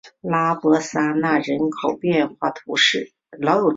拉博桑讷人口变化图示